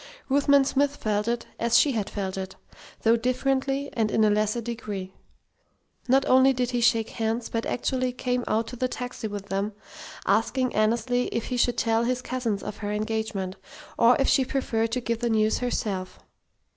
Ruthven Smith felt it, as she had felt it, though differently and in a lesser degree. Not only did he shake hands, but actually came out to the taxi with them, asking Annesley if he should tell his cousins of her engagement, or if she preferred to give the news herself?